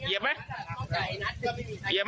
เหยียบไหม